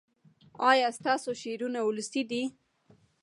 ایا ستاسو شعرونه ولسي دي؟